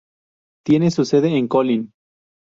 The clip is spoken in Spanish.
Tiene su sede en Kolín.